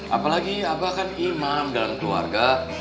apalagi kan imam dalam keluarga